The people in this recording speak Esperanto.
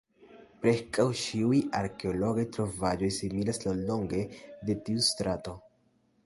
Preskaŭ ĉiuj arkeologiaj trovaĵoj situas laŭlonge de tiu strato.